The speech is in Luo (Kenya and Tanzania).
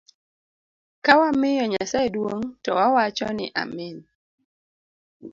Kawamiyo Nyasaye duong to wawacho ni amin.